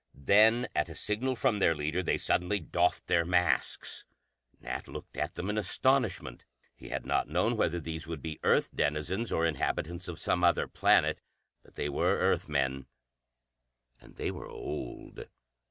Then, at a signal from their leader, they suddenly doffed their masks. Nat looked at them in astonishment. He had not known whether these would be Earth denizens or inhabitants of some other planet. But they were Earth men. And they were old.